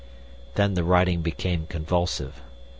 Then the writing became convulsive.